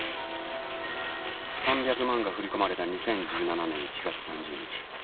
３００万が振り込まれた２０１７年１月３０日。